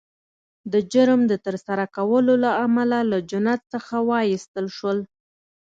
د جرم د ترسره کولو له امله له جنت څخه وایستل شول